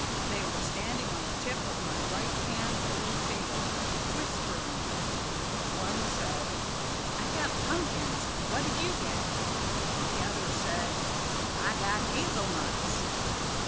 They were standing on the tip of my right hand little finger, whispering. One said, 'I got pumpkins what did you get?' The other said, 'I got hazel nuts.'